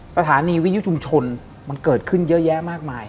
สถานีวิยุชุมชนมันเกิดขึ้นเยอะแยะมากมาย